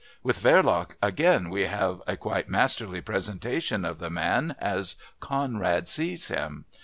With Verloc again we have a quite masterly presentation of the man as Conrad sees him.